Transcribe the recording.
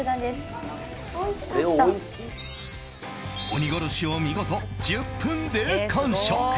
鬼殺しを見事１０分で完食。